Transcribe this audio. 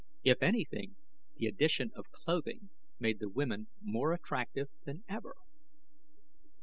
If anything, the addition of clothing made the women more attractive than ever.